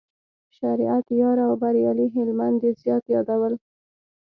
شریعت یار او بریالي هلمند یې زیات یادول.